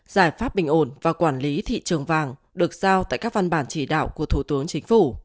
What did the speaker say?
giải pháp bình ổn và quản lý thị trường vàng được giao tại các văn bản chỉ đạo của thủ tướng chính phủ